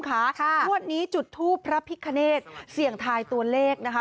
เมื่อหนี้จุดธูปพระพิคะเนธเสี่ยงทายตัวเลขนะคะ